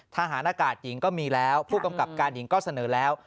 ทหารอากาศหญิงก็มีแล้วผู้กำกับการหญิงก็เสนอแล้ว